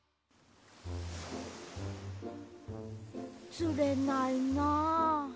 つれないなあ。